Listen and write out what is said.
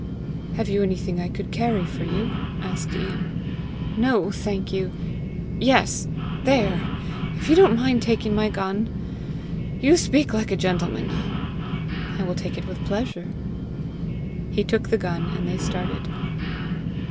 "Have you anything I could carry for you?" asked Ian. "No, I thank you. Yes; there! if you don't mind taking my gun? you speak like a gentleman!" "I will take it with pleasure." He took the gun, and they started.